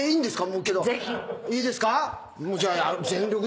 いいんですか？